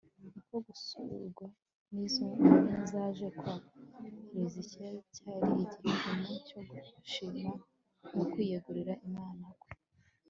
uko gusurwa n'izo ntumwa zaje kwa hezekiya cyari igipimo cyo gushima no kwiyegurira imana kwe